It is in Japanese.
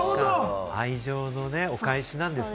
愛情のお返しなんですね。